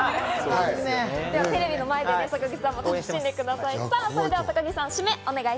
テレビの前で坂口さんも楽しんでください。